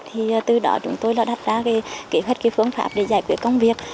thì từ đó chúng tôi là đặt ra cái kế hoạch cái phương pháp để giải quyết công việc